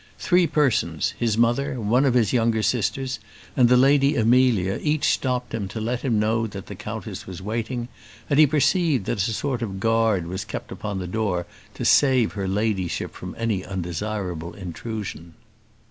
Three persons, his mother, one of his younger sisters, and the Lady Amelia, each stopped him to let him know that the countess was waiting; and he perceived that a sort of guard was kept upon the door to save her ladyship from any undesirable intrusion.